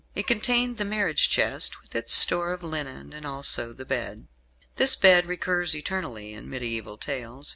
It contained the marriage chest with its store of linen, and also the bed. This bed recurs eternally in mediæval tales.